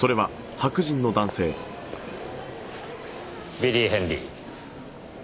ビリー・ヘンリー。